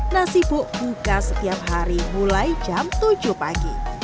nasi buk buka setiap hari mulai jam tujuh pagi